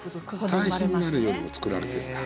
対比になるようにも作られてるんだ。